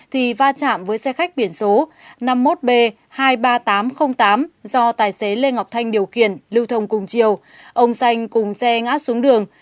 thì va chạm với xe khách biển số năm mươi một b hai mươi ba nghìn tám trăm linh tám do tài xế lê ngọc thanh điều khiển lưu thông cùng chiều ông xanh cùng xe ngã xuống đường